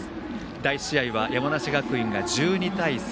第１試合は山梨学院が１２対３。